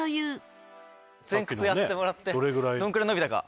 前屈やってもらってどのくらい伸びたか。